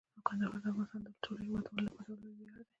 کندهار د افغانستان د ټولو هیوادوالو لپاره یو لوی ویاړ دی.